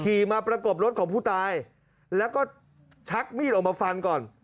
ขี่มาประกบรถของผู้ตายแล้วก็ชักมีดออกมาฟันก่อน